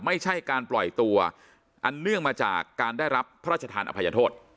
ไม่ใช่การปล่อยตัวอันเนื่องมาจากการได้รับพระราชทานอภัยโทษ